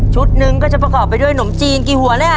ชุดนึงก็จะประกอบไปด้วยหนมจีนกี่หัวเนี่ย